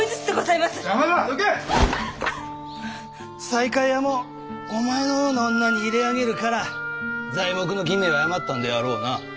西海屋もお前のような女に入れあげるから材木の吟味を誤ったんであろうな。